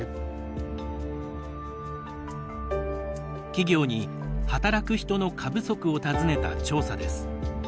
企業に働く人の過不足を尋ねた調査です。